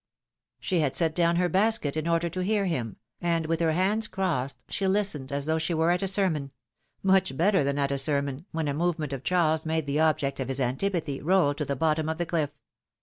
She had set down her basket in order to hear him, and with her hands crossed, she listened as though she were at a sermon — much better than at a sermon — when a movement of Charles made the object of his antipathy roll to the bottom of the cliff.